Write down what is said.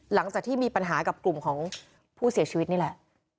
หลังจากที่มีปัญหากับกลุ่มของผู้เสียชีวิตนี่แหละ